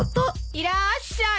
いらっしゃい。